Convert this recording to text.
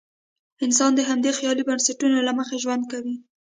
انسان د همدې خیالي بنسټونو له مخې ژوند کوي.